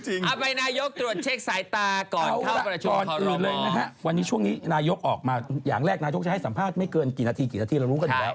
เอาไปนายกตรวจเช็คสายตาก่อนเข้ากรมชมคบ